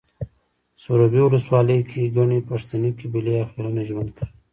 سروبي ولسوالۍ کې ګڼې پښتنې قبیلې او خيلونه ژوند کوي